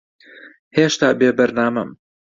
ھێشتا بێبەرنامەم.